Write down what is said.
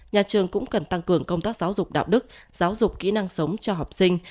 nhà trường cũng cần tăng cường công tác giáo dục đạo đức giáo dục kỹ năng sống cho học sinh